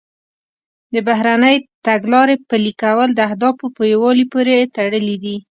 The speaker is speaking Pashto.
د بهرنۍ تګلارې پلي کول د اهدافو په یووالي پورې تړلي دي